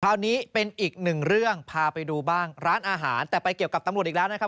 คราวนี้เป็นอีกหนึ่งเรื่องพาไปดูบ้างร้านอาหารแต่ไปเกี่ยวกับตำรวจอีกแล้วนะครับ